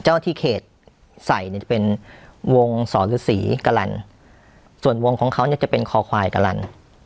ที่เขตใส่เนี่ยจะเป็นวงสอฤษีกะลันส่วนวงของเขาเนี่ยจะเป็นคอควายกะลัน